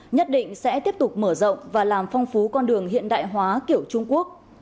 nhất định sẽ tiếp tục mở rộng và làm phong phú con đường hiện đại hóa kiểu trung quốc